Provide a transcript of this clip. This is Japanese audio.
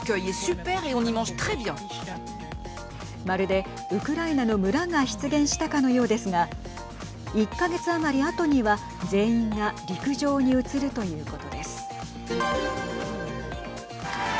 まるでウクライナの村が出現したかのようですが１か月余りあとには全員が陸上に移るということです。